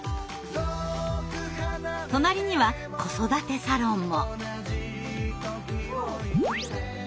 隣には子育てサロンも。